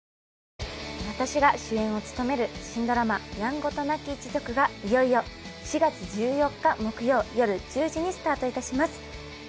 私が主演を務める新ドラマ『やんごとなき一族』がいよいよ４月１４日木曜夜１０時にスタートいたします。